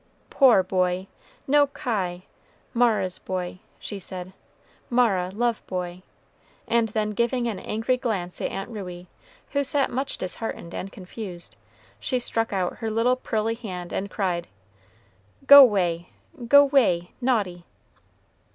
"Poor boy, no kie, Mara's boy," she said; "Mara love boy;" and then giving an angry glance at Aunt Ruey, who sat much disheartened and confused, she struck out her little pearly hand, and cried, "Go way, go way, naughty!"